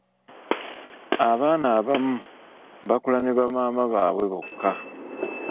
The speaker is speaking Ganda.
Abaana abamu bakula ne bamaama baawe bokka.